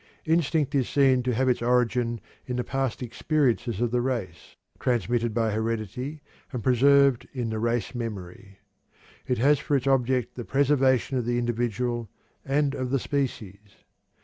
Instinct is seen to have its origin in the past experiences of the race, transmitted by heredity and preserved in the race memory. It has for its object the preservation of the individual and of the species.